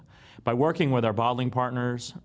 dengan bekerja dengan pasangan botol ngo yang berpengaruh